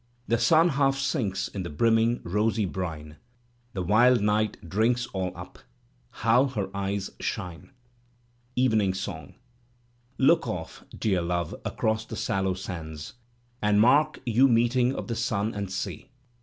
The sim half sinks in the brimming, rosy brine: The wild Night drinks all up : how her eyes shine! EVENING BONG Look off, dear Love, across the sallow sands. And mark yon meeting of the sun and sea.